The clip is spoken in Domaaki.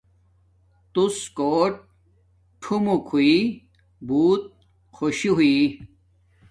تُوس کوٹ ٹھوموک ہوݵ بوت خوشی ہوݵ